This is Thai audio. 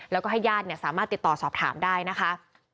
แล้วก็ให้ญาติสามารถติดต่อสอบถามได้นะคะ